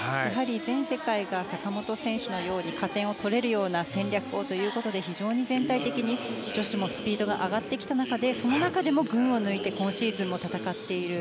全世界が坂本選手のように加点を取れるような戦略をということで非常に全体的に女子もスピードが上がってきた中その中でも群を抜いて今シーズンも戦っている。